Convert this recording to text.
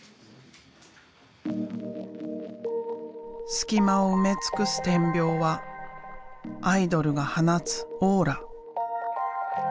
隙間を埋め尽くす点描はアイドルが放つオーラ。